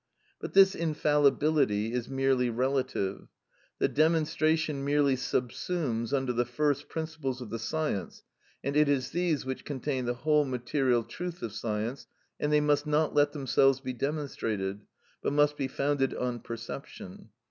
But this infallibility is merely relative; the demonstration merely subsumes under the first principles of the science, and it is these which contain the whole material truth of science, and they must not themselves be demonstrated, but must be founded on perception.